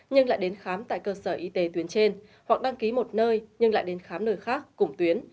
nhưng lại đến khám tại cơ sở y tế tuyến trên hoặc đăng ký một nơi nhưng lại đến khám nơi khác cùng tuyến